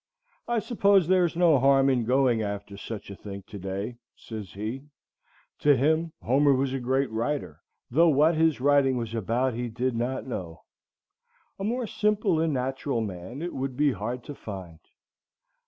"I suppose there's no harm in going after such a thing to day," says he. To him Homer was a great writer, though what his writing was about he did not know. A more simple and natural man it would be hard to find.